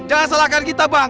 jangan salahkan kita bang